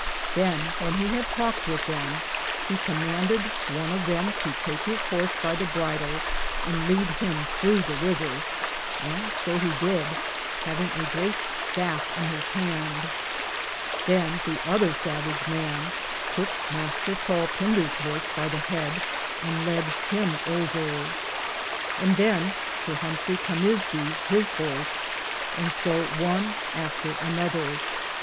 Than when he had talked with them, he comanded one of them to take his horse by the bridle and leade him throughe the rever, and so he did, havinge a greate stafe in his hand; than the other savige man touke Mr. Paul Finder's horse by the heade and led him over, and than Sir Humfray Conisby his horse, and so one after a other.